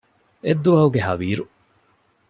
އެއްދުވަހުގެ ހަވީރު